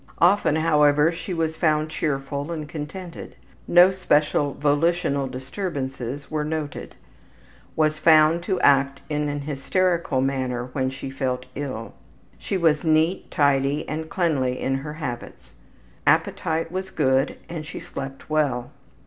Often, however, she was found cheerful and contented. No special volitional disturbances were noted. Was found to act in an hysterical manner when she felt ill. She was neat, tidy, and cleanly in her habits. Appetite was good and she slept well.